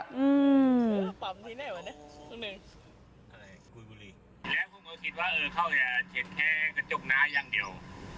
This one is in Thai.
แล้วคุณหมูคิดว่าเขาจะเช็ดแค่กระจกหน้ายังเดียว